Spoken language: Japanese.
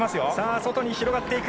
外に広がっていく。